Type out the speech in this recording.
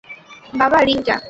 বাবা, রিং টা।